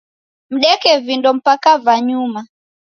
Mdeke vindo mpaka va nyuma.